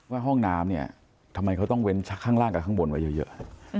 ว่าห้องน้ำเนี่ยทำไมเขาต้องเว้นชักข้างล่างกับข้างบนไว้เยอะ